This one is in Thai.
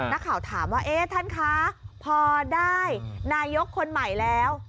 นักข่าวถามว่าเอ๊ะท่านคะพอได้นายกคนใหม่แล้ว